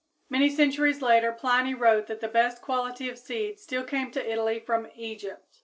Many centuries later Pliny wrote that the best quality of seed still came to Italy from Egypt.